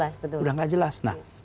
sudah tidak jelas